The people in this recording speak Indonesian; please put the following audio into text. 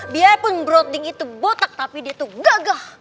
biarpun broading itu botak tapi dia tuh gagah